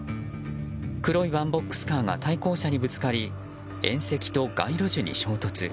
黒いワンボックスカーが対向車にぶつかり縁石と街路樹に衝突。